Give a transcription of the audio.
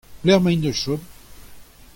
E pelec'h emaint o chom ?